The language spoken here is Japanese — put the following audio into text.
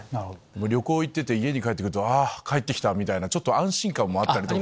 旅行行ってて家に帰って来ると「あ帰って来た」みたいなちょっと安心感もあったりとか。